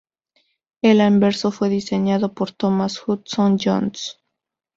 El anverso fue diseñado por Thomas Hudson Jones.